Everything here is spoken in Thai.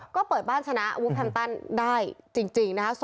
ก็เปิดบ้านชนะวูแพมตันได้จริงนะคะ